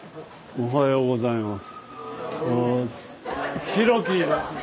おはようございます。